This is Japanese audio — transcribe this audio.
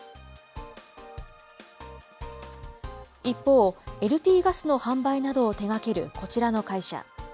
一方、ＬＰガスの販売などを手がけるこちらの会社。